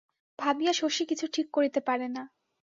ভাবিয়া শশী কিছু ঠিক করিতে পারে না।